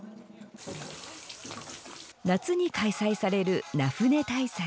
夏に開催される名舟大祭